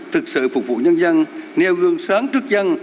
thực sự phục vụ nhân dân nêu gương sáng trước dân